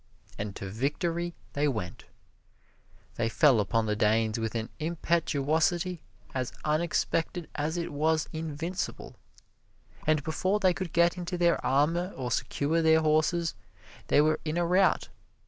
And to victory they went. They fell upon the Danes with an impetuosity as unexpected as it was invincible, and before they could get into their armor, or secure their horses, they were in a rout.